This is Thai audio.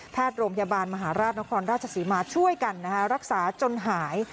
โรงพยาบาลมหาราชนครราชศรีมาช่วยกันรักษาจนหาย